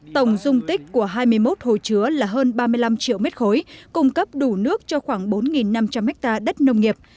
tổng dung tích của hai mươi một hồ chứa là hơn ba mươi năm triệu m ba cung cấp đủ nước cho khoảng bốn năm trăm linh ha đất nông nghiệp